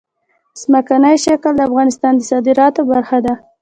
ځمکنی شکل د افغانستان د صادراتو برخه ده.